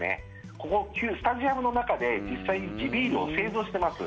ここ、スタジアムの中で実際に地ビールを製造してます。